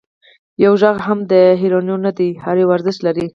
یو غږ هم د هېروانیو نه دی، هر یو ارزښت لري.